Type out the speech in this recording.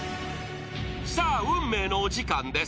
さあ、運命のお時間です。